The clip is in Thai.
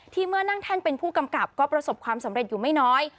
เมื่อนั่งแท่นเป็นผู้กำกับก็ประสบความสำเร็จอยู่ไม่น้อย